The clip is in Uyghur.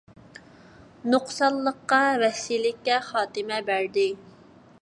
نۇقسانلىققا، ۋەھشىيلىككە خاتىمە بەردى.